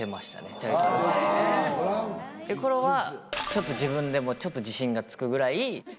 ちょっと自分でもちょっと自信がつくぐらい。